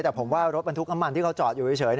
แต่ผมว่ารถบรรทุกน้ำมันที่เขาจอดอยู่เฉย